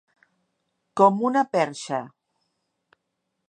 Com una perxa.